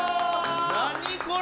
何これ！